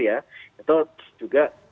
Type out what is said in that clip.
ya itu juga